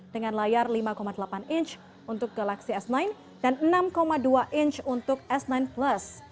dengan layar lima delapan inch untuk galaxy s sembilan dan enam dua inch untuk s sembilan plus